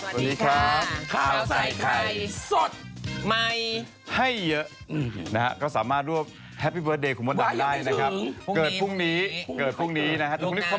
สวัสดีครับข้าวใส่ไข่สดใหม่ให้เยอะนะฮะก็สามารถร่วมแฮปปี้เบอร์สเดย์ของมดัมได้นะครับ